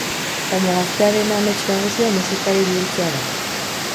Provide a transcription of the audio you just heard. Baina gaztearen amets nagusia musikari bihurtzea da.